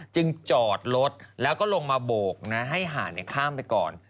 จอดรถแล้วก็ลงมาโบกนะให้หาดข้ามไปก่อน